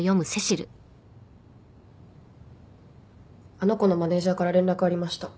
あの子のマネジャーから連絡ありました。